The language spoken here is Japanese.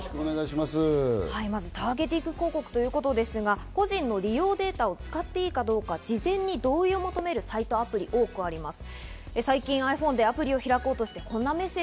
ターゲティング広告ということですが、個人の利用データを使っていいか事前に同意を求めるサイト、アプリが多くあります。